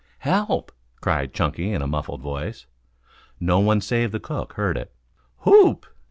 "Hel p!" cried Chunky in a muffled voice. No one save the cook heard it. "Whoop!"